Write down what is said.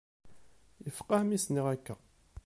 Yefqeɛ mi s-nniɣ akka.